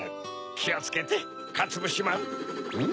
きをつけてかつぶしまん。